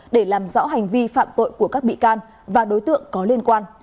để làm rõ hành vi phạm tội của các bị can và đối tượng có liên quan